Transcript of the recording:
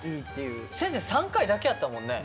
先生３回だけやったもんね。